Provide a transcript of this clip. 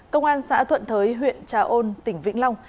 công an xã thuận thới huyện trà ôn tỉnh vĩnh long